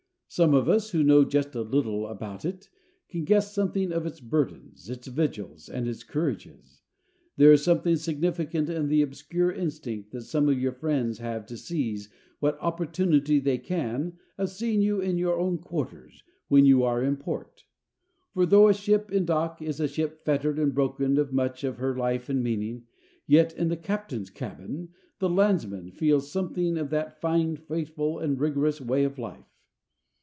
Some of us, who know just a little about it, can guess something of its burdens, its vigils, and its courages. There is something significant in the obscure instinct that some of your friends have to seize what opportunity they can of seeing you in your own quarters when you are in port. For though a ship in dock is a ship fettered and broken of much of her life and meaning, yet in the captain's cabin the landsman feels something of that fine, faithful, and rigorous way of life.